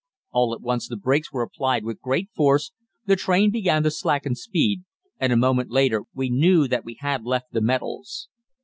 All at once the brakes were applied with great force, the train began to slacken speed, and a moment later we knew that we had left the metals.